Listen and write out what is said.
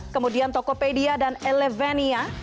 kemudian tokopedia dan elevania